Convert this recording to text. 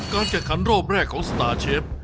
แข่งขันรอบแรกของสตาร์เชฟ